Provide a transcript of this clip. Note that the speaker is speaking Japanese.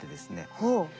ほう。